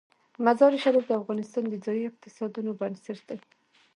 مزارشریف د افغانستان د ځایي اقتصادونو بنسټ دی.